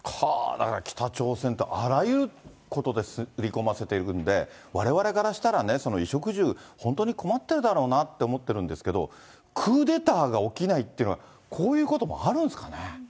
だから北朝鮮って、あらゆることで刷り込ませているんで、われわれからしたらね、衣食住、本当に困っているだろうなって思ってるんですけど、クーデターが起きないというのは、こういうこともあるんですかね。